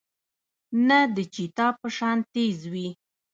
نۀ د چيتا پۀ شان تېز وي